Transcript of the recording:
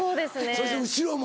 そして後ろも。